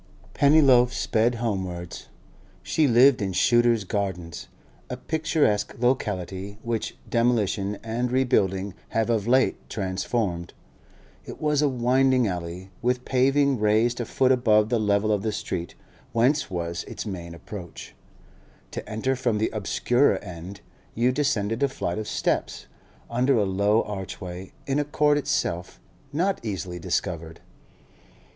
Pennyloaf sped homewards. She lived in Shooter's Gardens, a picturesque locality which demolition and rebuilding have of late transformed. It was a winding alley, with paving raised a foot above the level of the street whence was its main approach. To enter from the obscurer end, you descended a flight of steps, under a low archway, in a court itself not easily discovered.